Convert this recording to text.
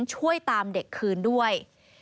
ช่วยตามเด็กคืนด้วย